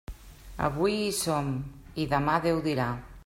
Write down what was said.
Avui hi som i demà Déu dirà.